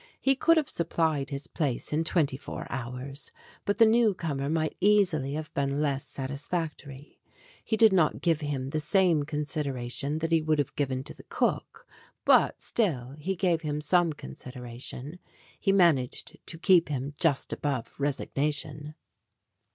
He could have supplied his place in twenty four hours, but the new comer might easily have been less satisfactory. He did not give him the same consideration that he would have given to the cook, but still he gave him some consideration; he managed to keep him just above resignation.